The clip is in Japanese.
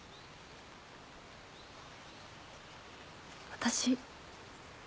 私。